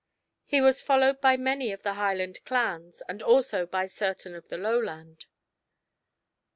He was followed by many of the Highland clans and also by certain of the Lowland.